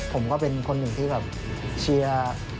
ผมก็เป็นคนหนึ่งที่แบบเชียร์